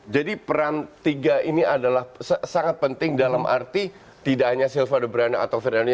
jadi peran tiga ini adalah sangat penting dalam arti tidak hanya silva de bruyne atau ferdinand